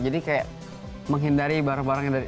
jadi kayak menghindari barang barang yang debil